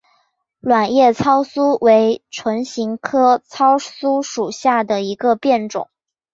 卵叶糙苏为唇形科糙苏属下的一个变种。